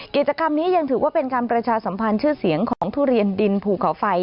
กิจกรรมนี้ยังถือว่าเป็นการประชาสัมพันธ์ชื่อเสียงของทุเรียนดินภูเขาไฟ